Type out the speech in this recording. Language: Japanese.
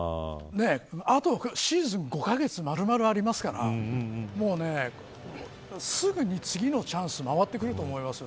あとシーズン５カ月まるまるありますからすぐに次のチャンス回ってくると思いますよ。